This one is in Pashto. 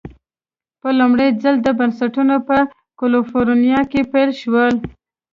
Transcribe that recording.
په لومړي ځل دا بنسټونه په کلفورنیا کې پیل شول.